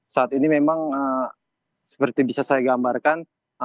saat ini memang seperti bisa saya gambarkan